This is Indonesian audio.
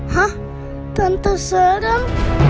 hah tante seram